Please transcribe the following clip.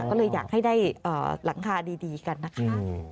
ก็เลยอยากให้ได้หลังคาดีกันนะคะ